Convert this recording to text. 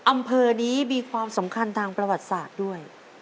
อำเภอนี้มีความสำคัญทางประวัติศาสตร์ด้วย